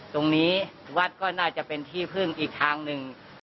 ตรงนี้วัดก็น่าจะเป็นที่พึ่งอีกทางหนึ่ง